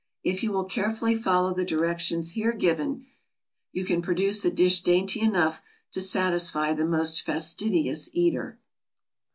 If you will carefully follow the directions here given, you can produce a dish dainty enough to satisfy the most fastidious eater.